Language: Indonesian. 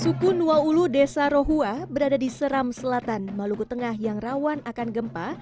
suku nuwaulu desa rohua berada di seram selatan maluku tengah yang rawan akan gempa